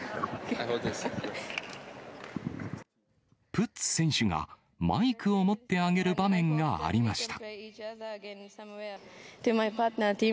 プッツ選手がマイクを持ってあげる場面がありました。